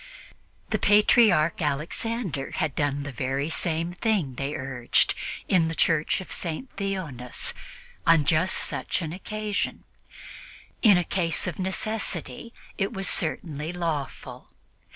The Patriarch Alexander had done the very same thing, they urged, in the Church of St. Theonas on just such an occasion; in a case of necessity it was certainly lawful.